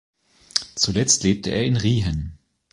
Zuletzt lebte er in Riehen.